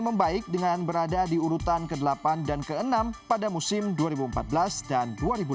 membaik dengan berada di urutan ke delapan dan ke enam pada musim dua ribu empat belas dan dua ribu lima belas